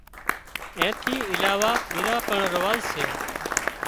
اين ٿِي علاوه ٻيزا پڻ رواز سي